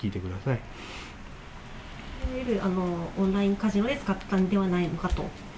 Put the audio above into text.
いわゆるオンラインカジノで使ったのではないのかと。